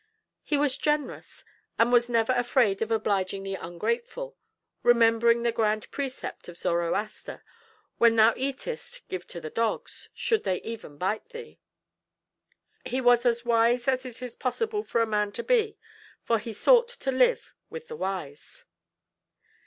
He was generous, and was never afraid of obliging the ungrateful; remembering the grand precept of Zoroaster, "When thou eatest, give to the dogs, should they even bite thee." He was as wise as it is possible for man to be, for he sought to live with the wise.